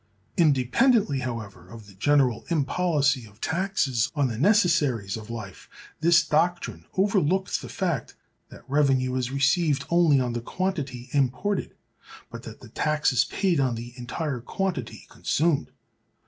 Independently, however, of the general impolicy of taxes on the necessaries of life, this doctrine overlooks the fact that revenue is received only on the quantity imported, but that the tax is paid on the entire quantity consumed.